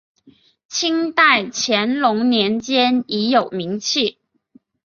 清代乾隆年间已有名气。